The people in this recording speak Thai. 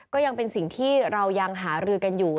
ก็ยังเป็นสิ่งที่เรายังหารือกันอยู่